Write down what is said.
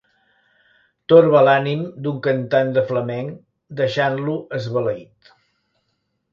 Torba l'ànim d'un cantant de flamenc deixant-lo esbalaït.